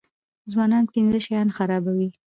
ځوانان پنځه شیان خرابوي.